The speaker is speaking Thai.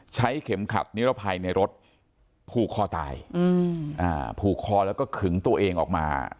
เข็มขัดนิรภัยในรถผูกคอตายผูกคอแล้วก็ขึงตัวเองออกมา